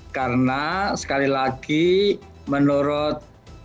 karena sekali lagi menurut